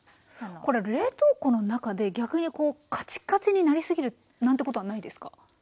この冷凍庫の中で逆にこうカチカチになりすぎるなんてことはないですか？